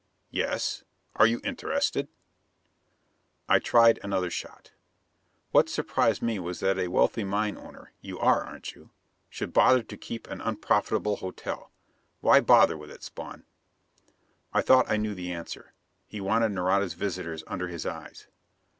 "Yes. Are you interested?" I tried another shot. "What surprised me was that a wealthy mine owner you are, aren't you? should bother to keep an unprofitable hotel. Why bother with it, Spawn?" I thought I knew the answer: he wanted Nareda's visitors under his eyes.